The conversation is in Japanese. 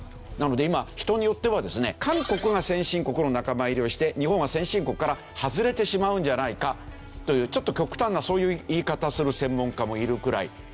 なので今人によってはですね韓国が先進国の仲間入りをして日本は先進国から外れてしまうんじゃないかというちょっと極端なそういう言い方をする専門家もいるくらい。